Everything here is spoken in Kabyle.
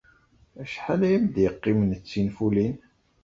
Acḥal ay am-d-yeqqimen d tinfulin?